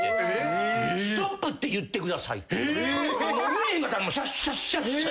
言えへんかったらシャッシャッシャッシャ。